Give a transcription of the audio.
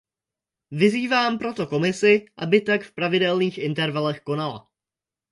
Vyzývám proto Komisi, aby tak v pravidelných intervalech konala.